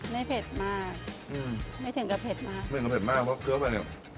เผ็ดมากอืมไม่ถึงกับเผ็ดมากไม่ถึงกับเผ็ดมากเพราะเกลือไปเนี้ย